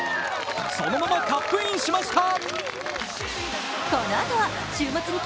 そのままカップインしました。